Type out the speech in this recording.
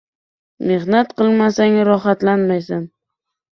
• Mehnat qilmasang ― rohatlanmaysan.